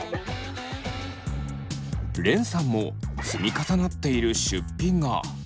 れんさんも積み重なっている出費が。